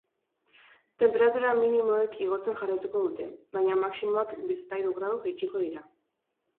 Tenperatura minimoek igotzen jarraituko dute, baina maximoak bizpahiru gradu jaitsiko dira.